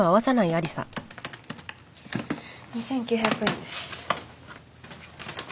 ２、９００円です。